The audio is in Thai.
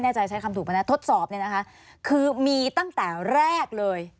ใจใช้คำถูกไหมนะทดสอบเนี่ยนะคะคือมีตั้งแต่แรกเลย